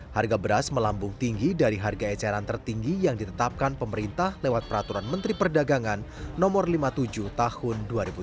harga beras melambung tinggi dari harga eceran tertinggi yang ditetapkan pemerintah lewat peraturan menteri perdagangan no lima puluh tujuh tahun dua ribu dua puluh